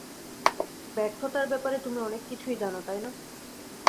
ব্যর্থতার ব্যাপারে তুমি অনেক কিছুই জানো, তাই না?